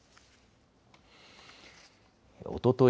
おととい